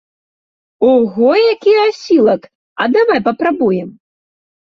Ого, які асілак, а давай папрабуем?